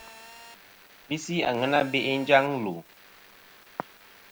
Visi àŋena be'i njaŋ lù.